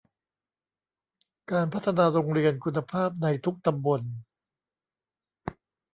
การพัฒนาโรงเรียนคุณภาพในทุกตำบล